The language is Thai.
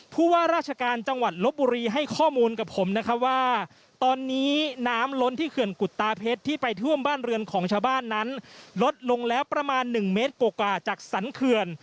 ผู้ว่าราชการจังหวัดลบบุรีให้ข้อมูลกับผมนะครับว่าตอนนี้น้ำล้นที่เขื่อนกุฎตาเพชรที่ไปท่วมบ้านเรือนของชาวบ้านนั้นลดลงแล้วประมาณ๑เมตรกว่าจากสรรเขื่อน